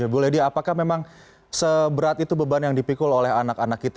bu ledia apakah memang seberat itu beban yang dipikul oleh anak anak kita